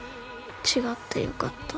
違ってよかった。